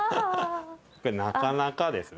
これなかなかですね。